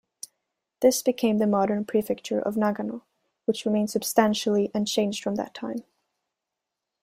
This became the modern prefecture of Nagano, which remains substantially unchanged from that time.